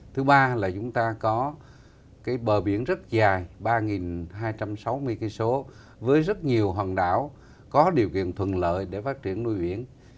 thứ ba là chúng ta có bờ biển rất dài ba hai trăm sáu mươi km với rất nhiều hòn đảo có điều kiện thuận lợi để phát triển nuôi biển